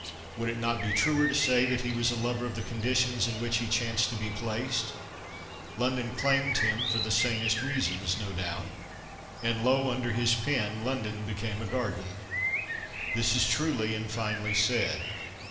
Would it not be truer to say that he was a lover of the conditions in which he chanced to be placed ? London claimed him — for the sanest reasons, no doubt — and, lo ! under his pen, London became a garden.' This is truly and finely said.